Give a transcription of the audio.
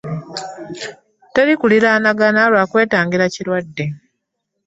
Teri kuliraanagana lwa kwetangira kirwadde.